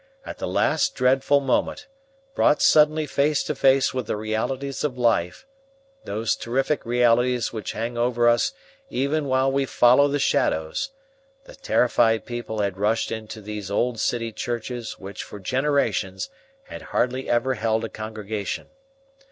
At the last dreadful moment, brought suddenly face to face with the realities of life, those terrific realities which hang over us even while we follow the shadows, the terrified people had rushed into those old city churches which for generations had hardly ever held a congregation.